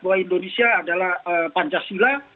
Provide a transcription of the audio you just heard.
bahwa indonesia adalah pancasila